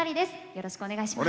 よろしくお願いします。